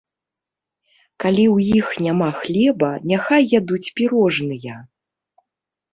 Калі ў іх няма хлеба, няхай ядуць пірожныя!